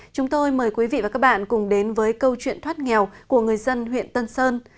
chúng tôi mời quý vị và các bạn cùng đến với câu chuyện thoát nghèo của người dân huyện tân sơn